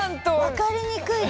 分かりにくいな。